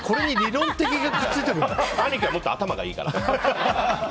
兄貴はもっと頭がいいから。